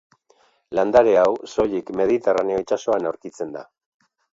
Landare hau soilik Mediterraneo itsasoan aurkitzen da.